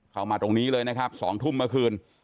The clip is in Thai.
เข้ามาตรงนี้เลยนะครับ๒ทุ่มเมื่อคืน